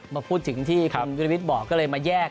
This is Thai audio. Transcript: มาพูดถึงที่คุณวิรวิทย์บอกก็เลยมาแยก